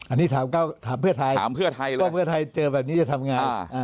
อันนี้ถามเพื่อไทยเจอแบบนี้จะทำยังไง